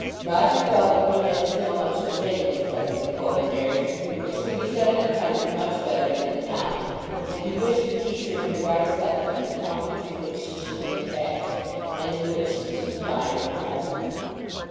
Roger felt that he had still much to say to his cousin before her marriage which could be said in the country much better than in town, and he wished to teach her to regard Suffolk as the county to which she should be attached and in which she was to find her home.